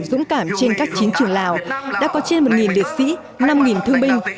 dũng cảm trên các chiến trường lào đã có trên một liệt sĩ năm thương binh